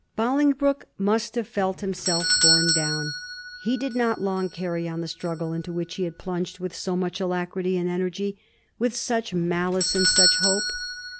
Bolingbroke must have felt himself borne down. He did not long carry on the struggle into which he had plunged with so much alacrity and energy, with such malice and such hope.